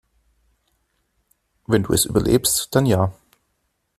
Wenn du es überlebst, dann ja.